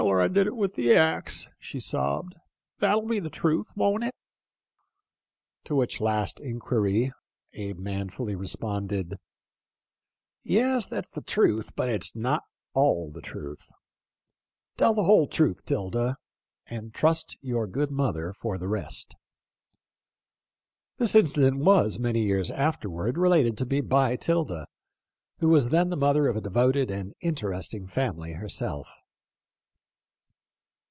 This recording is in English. Tell her I did it with the axe," she sobbed. " That will be the truth, won't it ?" To which last inquiry Abe manfully responded, "Yes, that's the truth, but it's not all the truth. Tell the whole truth, 'Tilda, and trust your good mother for the rest." This incident was, many years afterward, related to me by 'Tilda, who was then the mother of a devoted and interesting family herself.